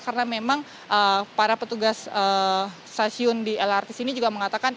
karena memang para petugas stasiun di lrt sini juga mengatakan